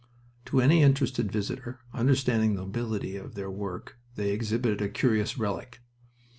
To any interested visitor, understanding the nobility of their work, they exhibited a curious relic.